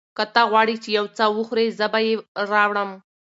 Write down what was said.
که ته غواړې چې یو څه وخورې، زه به یې راوړم.